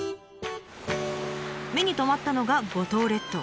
目に留まったのが五島列島。